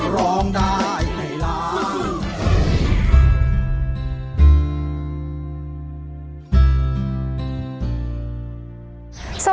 ร้องได้ให้ร้อง